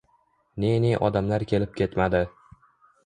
ne-ne odamlar kelib ketmadi.